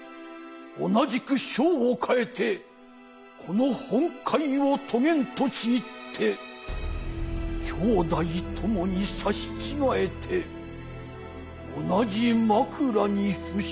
同じく生を替へてこの本懐を遂げん』と契って兄弟ともにさし違へて同じ枕に伏しければ」。